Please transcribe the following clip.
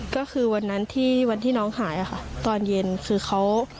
ก็คือวันนั้นที่วันที่น้องหายค่ะตอนเย็นคือเขา